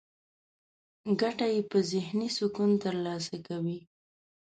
ګټه يې په ذهني سکون ترلاسه کوي.